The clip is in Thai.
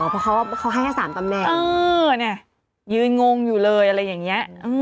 เพราะเขาให้๓ตำแหน่งเออเนี่ยยืนงงอยู่เลยอะไรอย่างนี้